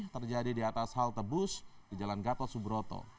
terjadi di atas halte bus di jalan gatot subroto